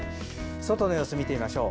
外の様子を見てみましょう。